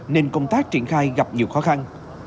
nên công tác triển khai gặp nhiều khó khăn